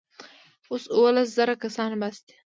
اوس اوولس زره کسان بس دي.